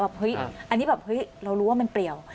เฮ้ยอันนี้แบบเฮ้ยเรารู้ว่ามันเปรียว